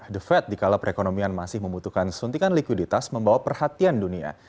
the fed dikala perekonomian masih membutuhkan suntikan likuiditas membawa perhatian dunia